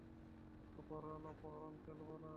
অপহরণ অপহরণ খেলবো না।